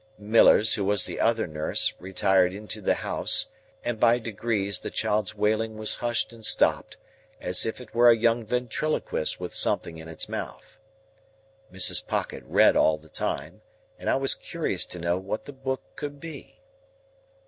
Millers, who was the other nurse, retired into the house, and by degrees the child's wailing was hushed and stopped, as if it were a young ventriloquist with something in its mouth. Mrs. Pocket read all the time, and I was curious to know what the book could be.